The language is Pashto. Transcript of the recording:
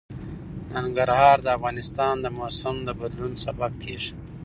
ننګرهار د افغانستان د موسم د بدلون سبب کېږي.